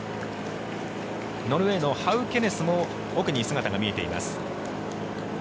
ノルウェーのハウケネスも奥に姿が見えています。